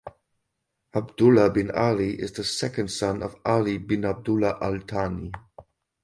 Abdullah bin Ali is the second son of Ali bin Abdullah Al Thani.